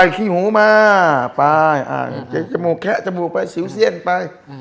แคะจมูกแคะจมูกไปสิวเซียนไป